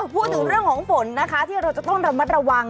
พูดถึงเรื่องของฝนที่เราจะต้องระวัง